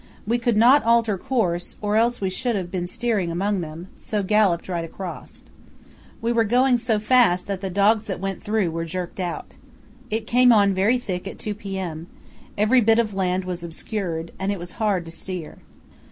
We could not alter course, or else we should have been steering among them, so galloped right across. We were going so fast that the dogs that went through were jerked out. It came on very thick at 2 p.m. Every bit of land was obscured, and it was hard to steer.